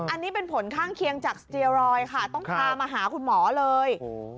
อันนี้เป็นผลข้างเคียงจากสเจียรอยด์ค่ะต้องพามาหาคุณหมอเลย